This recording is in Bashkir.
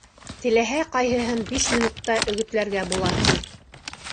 Теләһә ҡайһыһын биш минутта өгөтләргә була, ти.